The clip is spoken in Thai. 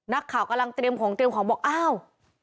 นักข่าวกำลังเตรียมของเตรียมของบอกอ้าว